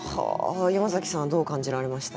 山崎さんどう感じられましたか？